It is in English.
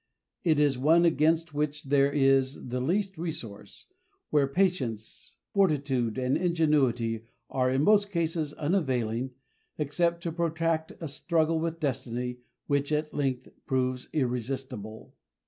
It is one against which there is the least resource, where patience, fortitude and ingenuity are in most cases, unavailing, except to protract a struggle with destiny, which, at length, proves irresistible.